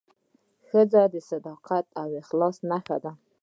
ښځه د صداقت او اخلاص نښه ده.